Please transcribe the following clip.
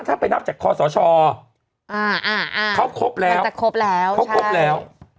ถ้าไปนับจากคอสชเขาครบแล้ว